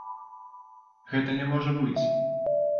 Гэта не можа быць.